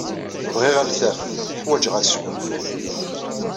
Bɣiɣ altaf. Ḥwajeɣ ad sgunfuɣ.